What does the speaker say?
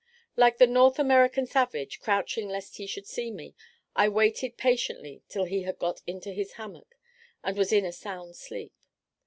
Like the North American savage, crouching lest he should see me, I waited patiently till he had got into his hammock, and was in a sound sleep.